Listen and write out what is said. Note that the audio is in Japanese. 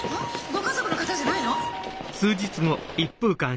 ご家族の方じゃないの？